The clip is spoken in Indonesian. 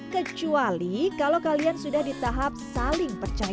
kecuali kalau kalian sudah di tahap saling percaya